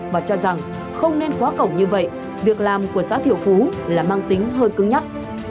và cho rằng không nên quá cổng như vậy việc làm của xã thiệu phú là mang tính hơi cứng nhắc